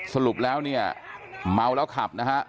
สรุปแล้วเนี่ยเมาแล้วขับนะฮะ